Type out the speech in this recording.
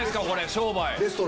商売。